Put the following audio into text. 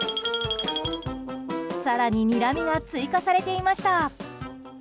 更ににらみが追加されていました。